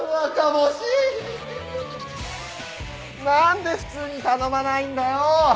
何で普通に頼まないんだよ！